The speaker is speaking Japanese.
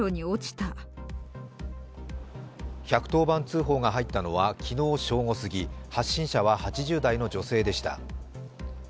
１１０番通報が入ったのは昨日正午すぎ発信者は８０代の女性でした。